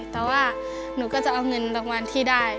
แต่ว่าหนูก็จะเอาเงินรางวัลที่ได้